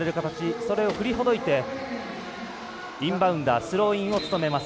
それを振りほどいてインバウンダースローインを務めます。